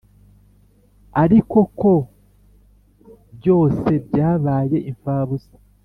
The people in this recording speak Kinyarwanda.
ariko ko byose byabaye imfabusa.